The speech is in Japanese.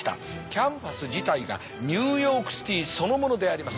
キャンパス自体がニューヨークシティーそのものであります。